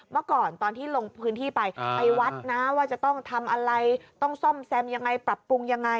เมื่อก่อนตอนที่ลงพื้นที่ไปไปวัดนะว่าจะต้องทำอะไรต้องซ่อมแซมยังไงปรับปรุงยังไง